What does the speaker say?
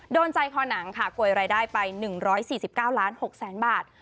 โดนใจคอหนังค่ะโกยรายได้ไป๑๔๙ล้าน๖แสนบาท